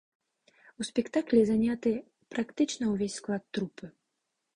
У спектаклі заняты практычна ўвесь склад трупы.